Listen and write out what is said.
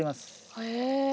へえ。